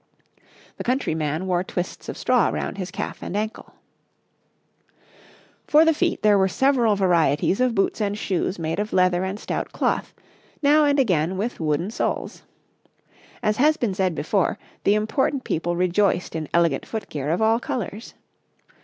The country man wore twists of straw round his calf and ankle. For the feet there were several varieties of boots and shoes made of leather and stout cloth, now and again with wooden soles. As has been said before, the important people rejoiced in elegant footgear of all colours.